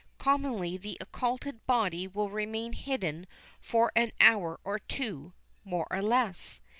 Commonly the occulted body will remain hidden for an hour or two, more or less.